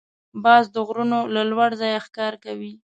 باز د غرونو له لوړ ځایه ښکار کوي